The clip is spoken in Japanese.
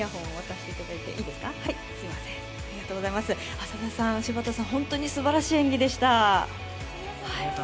浅田さん、柴田さん、本当にすばらしい演技でした。